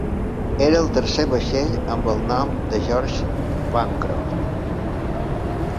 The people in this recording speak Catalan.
Era el tercer vaixell amb el nom de George Bancroft.